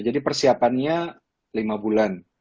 jadi persiapannya lima bulan